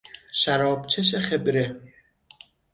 شرابچش خبره